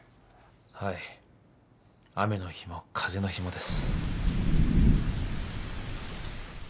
はい雨の日も風の日もです